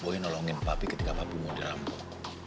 tapi dia nolongin papi ketika papi mau dirampok